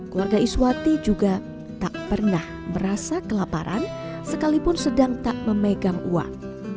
keluarga iswati juga tak pernah merasa kelaparan sekalipun sedang tak memegang uang